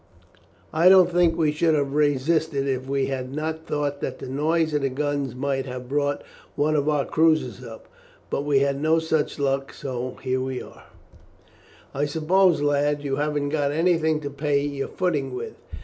I don't think we should have resisted if we had not thought that the noise of the guns might have brought one of our cruisers up. But we had no such luck, and so here we are." "I suppose, lad, you haven't got anything to pay your footing with?